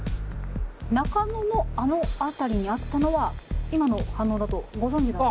中野のあの辺りにあったのは今の反応だとご存じだった？